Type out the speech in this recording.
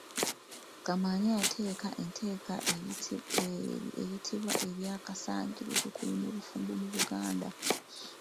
Kamaanya yateeka etteeka eryitibwa ery'akasagira okukuuma obufumbo mu Buganda.